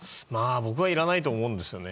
僕はいらないと思うんですよね。